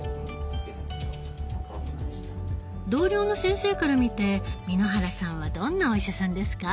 同僚の先生から見て簑原さんはどんなお医者さんですか？